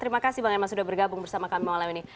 terima kasih bang elman sudah bergabung bersama kami malam ini